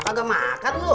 kagak makan dulu